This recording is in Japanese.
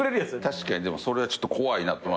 確かにでもそれはちょっと怖いなと思いました。